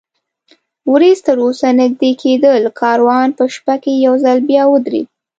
ورېځ تراوسه نږدې کېدل، کاروان په شپه کې یو ځل بیا ودرېد.